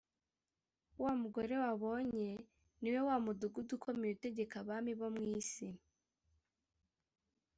“Wa mugore wabonye ni we wa mudugudu ukomeye utegeka abami bo mu isi.”